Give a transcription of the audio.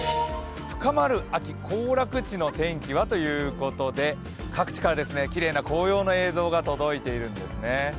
深まる秋、行楽地の天気はということで各地からきれいな紅葉の映像が届いているんですね。